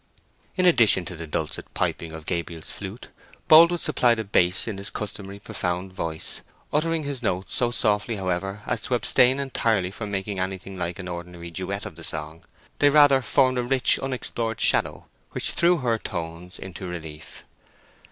In addition to the dulcet piping of Gabriel's flute, Boldwood supplied a bass in his customary profound voice, uttering his notes so softly, however, as to abstain entirely from making anything like an ordinary duet of the song; they rather formed a rich unexplored shadow, which threw her tones into relief.